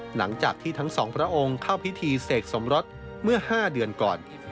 หลังจากที่ทั้งสองพระองค์เข้าพิธีเสกสมรสเมื่อ๕เดือนก่อน